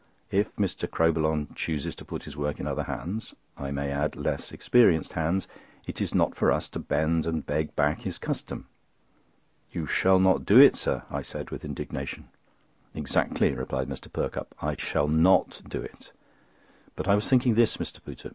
If Mr. Crowbillon chooses to put his work into other hands—I may add, less experienced hands—it is not for us to bend and beg back his custom." "You shall not do it, sir," I said with indignation. "Exactly," replied Mr. Perkupp; "I shall not do it. But I was thinking this, Mr. Pooter. Mr.